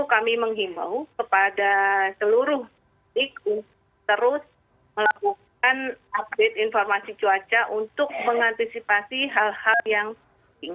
kami menghimbau kepada seluruh tim untuk terus melakukan update informasi cuaca untuk mengantisipasi hal hal yang penting